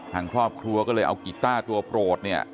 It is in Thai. ทางครอบครัวก็เลยเอากีต้าตัวโปรดเนี่ย